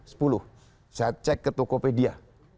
saya cek ke tokopedia